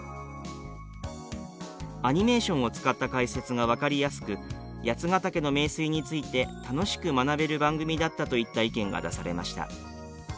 「アニメーションを使った解説が分かりやすく八ヶ岳の名水について楽しく学べる番組だった」といった意見が出されました。